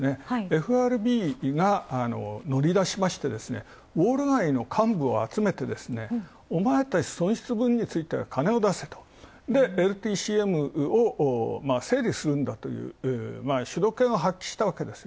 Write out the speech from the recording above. ＦＲＢが乗り出しまして、ウォール街の幹部を集めてお前たち損失分に関しては金を出せと、ＬＴＣＭを整理するんだと主導権を発揮したわけです。